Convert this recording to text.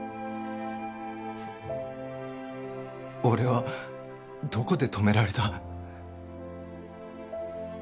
俺はどこで止められた？